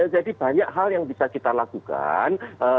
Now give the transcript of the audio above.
jadi banyak hal yang bisa kita lakukan